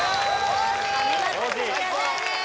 お見事クリアです